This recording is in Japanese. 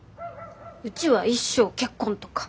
うちは一生結婚とか。